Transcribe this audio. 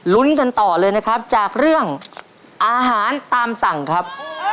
กันต่อเลยนะครับจากเรื่องอาหารตามสั่งครับ